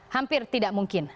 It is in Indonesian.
hampir tidak mungkin